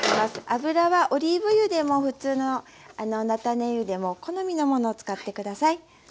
油はオリーブ油でも普通の菜種油でも好みのものを使って下さい。